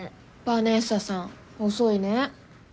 ヴァネッサさん遅いね。